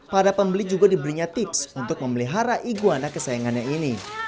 para pembeli juga diberinya tips untuk memelihara iguana kesayangannya ini